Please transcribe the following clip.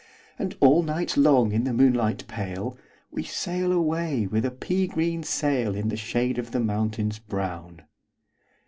And all night long, in the moonlight pale, We sail away with a pea green sailIn the shade of the mountains brown."